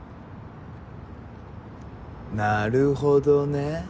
なるほどね。